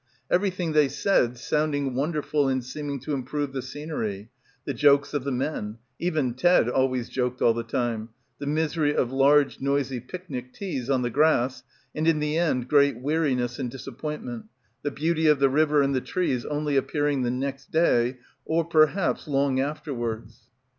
Everything they said sounding won derful and seeming to improve the scenery; the jokes of the men, even Ted always joked all the time, the misery of large noisy picnic teas on the grass, and in the end great weariness and disap pointment, the beauty of the river and the trees only appearing the next day or perhaps long after wards.